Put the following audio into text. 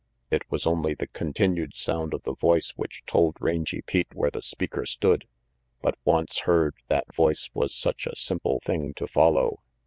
It was only the continued sound of the voice which told Rangy Pete where the speaker stood, but once heard, that voice was such a simple thing to follow.